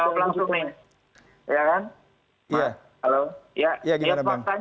saya rasa akan lebih baik jika ditanyakan kepada pihak dpr daripada kepada kami dan masyarakat itu